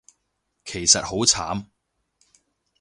其實好慘